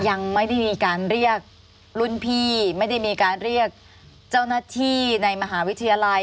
ยังไม่ได้มีการเรียกรุ่นพี่ไม่ได้มีการเรียกเจ้าหน้าที่ในมหาวิทยาลัย